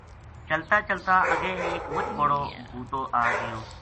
چلتا چلتا اَگے ایک مچ بڑو بوٹو آ گیو